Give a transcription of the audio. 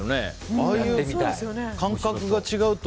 ああいう感覚が違うと。